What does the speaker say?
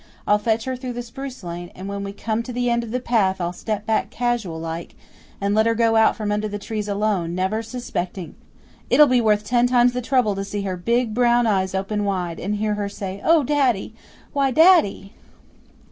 I'll fetch her through the spruce lane, and when we come to the end of the path I'll step back casual like, and let her go out from under the trees alone, never suspecting. It'll be worth ten times the trouble to see her big, brown eyes open wide and hear her say, 'Oh, daddy! Why, daddy!